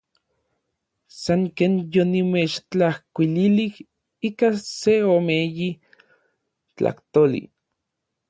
San ken yonimechtlajkuililij ikan seomeyi tlajtoli.